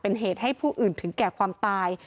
เป็นเหตุให้ผู้อื่นถึงแก่ความตาย